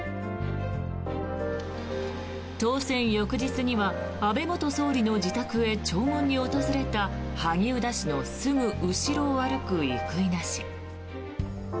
当選翌日には安倍元総理の自宅へ弔問に訪れた萩生田氏のすぐ後ろを歩く生稲氏。